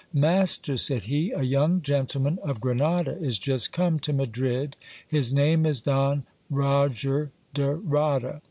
Master, said he, a young gentleman of Grenada is just come to Madrid ; his name is Don Roger de Rada.